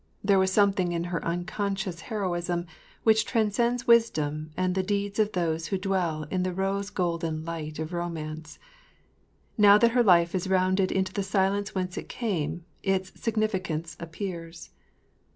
There was something in her unconscious heroism which transcends wisdom and the deeds of those who dwell in the rose golden light of romance. Now that her life is rounded into the silence whence it came, its significance appears.